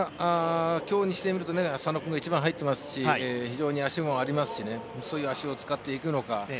今日にしてみると、佐野君が１番で入っていますし非常に足もありますし足を使っていくのか。